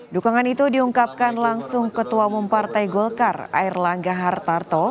dukungan itu diungkapkan langsung ketua umum partai golkar air langga hartarto